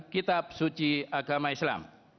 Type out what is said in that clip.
kitab suci agama islam